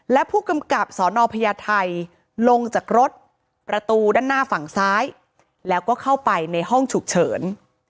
แลาก็เข้าไปในห้องฉุกเฉิน